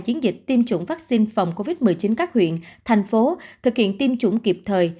chiến dịch tiêm chủng vaccine phòng covid một mươi chín các huyện thành phố thực hiện tiêm chủng kịp thời